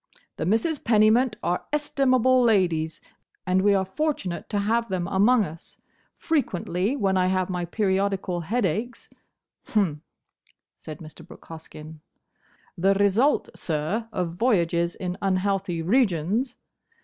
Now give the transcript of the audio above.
"The Misses Pennymint are estimable ladies, and we are fortunate to have them among us. Frequently when I have my periodical headaches—" "Hum," said Mr. Brooke Hoskyn. "The result, sir, of voyages in unhealthy regions!